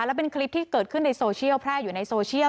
แล้วเป็นคลิปที่เกิดขึ้นในโซเชียลแพร่อยู่ในโซเชียล